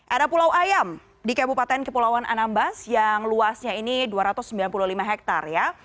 ada pulau ayam di kabupaten kepulauan anambas yang luasnya ini dua ratus sembilan puluh lima hektare ya